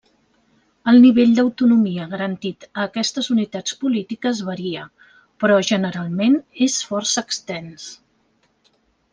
El nivell d'autonomia garantit a aquestes unitats polítiques varia, però generalment és força extens.